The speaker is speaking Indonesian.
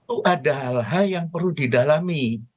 itu adalah hal yang perlu didalami